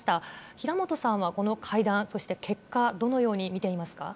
平本さんはこの会談、そして結果、どのように見ていますか。